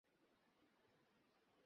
তোমাকে মিস করেছি।